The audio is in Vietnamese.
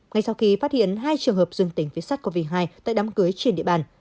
ngay sau khi phát hiện hai trường hợp dương tính viết sắt covid một mươi chín tại đám cưới trên địa bàn